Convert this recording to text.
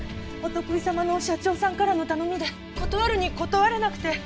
お得意様の社長さんからの頼みで断るに断れなくて。